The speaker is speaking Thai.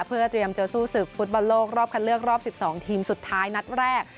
เพื่อเตรียมจะสู้ศึกฟุตบอลโลกรอบคันเลือกรอบ๑๒ทีมสุดท้ายนัดแรก